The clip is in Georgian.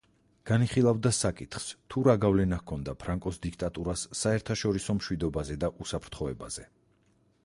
განიხილავდა საკითხს თუ რა გავლენა ჰქონდა ფრანკოს დიქტატურას საერთაშორისო მშვიდობაზე და უსაფრთხოებაზე.